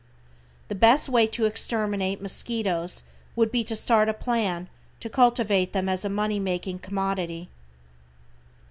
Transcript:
The best way to exterminate mosquitoes would be to start a plan to cultivate them as a money making commodity.